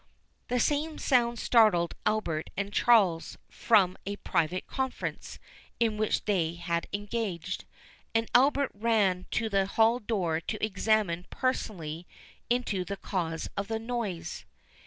The same sound startled Albert and Charles from a private conference in which they had engaged, and Albert ran to the hall door to examine personally into the cause of the noise.